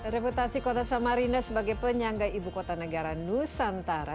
reputasi kota samarinda sebagai penyangga ibu kota negara nusantara